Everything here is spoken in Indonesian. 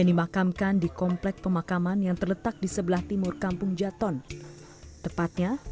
dimakamkan di komplek pemakaman yang terletak di sebelah timur kampung jaton tepatnya